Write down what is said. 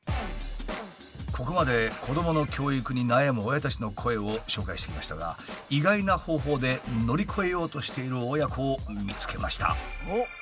ここまで子どもの教育に悩む親たちの声を紹介してきましたが意外な方法で乗り越えようとしている親子を見つけました。